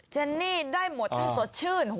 เจนนี่ได้หมดให้สดชื่น